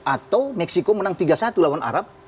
atau meksiko menang tiga satu lawan arab